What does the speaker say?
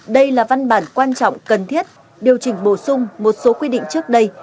đây là văn bản quan trọng cần thiết điều chỉnh bổ sung một số quy định trước đây